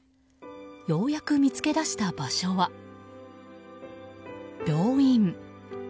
ようやく見つけ出した場所は病院。